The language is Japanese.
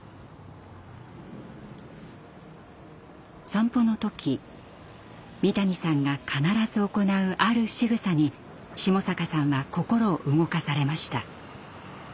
散歩の時三谷さんが必ず行うあるしぐさに下坂さんは心動かされました。